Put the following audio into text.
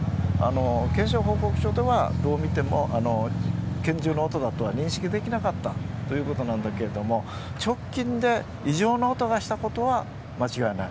検証報告書ではどう見ても拳銃の音だと認識できなかったということなんだけども直近で異常な音がしたことは間違いない。